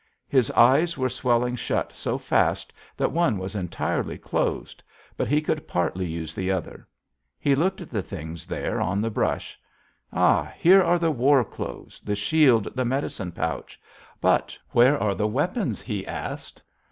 His eyes were swelling shut so fast that one was entirely closed, but he could partly use the other. He looked at the things there on the brush: 'Ah! Here are the war clothes, the shield, the medicine pouch, but where are the weapons?' he asked.